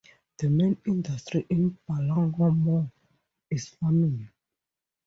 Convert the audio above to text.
The main industry in Ballaghmore is farming.